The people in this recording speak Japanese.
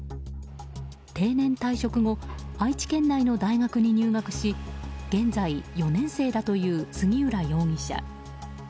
定年退職後愛知県内の大学に入学し現在４年生だという杉浦容疑者。